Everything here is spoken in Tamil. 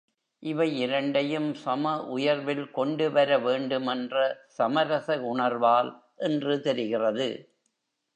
இவை இரண்டையும் சம உயர்வில் கொண்டுவர வேண்டுமென்ற சமரச உணர்வால் என்று தெரிகிறது.